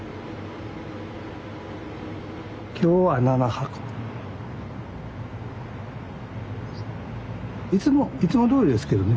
今日は７箱。いつもどおりですけどね。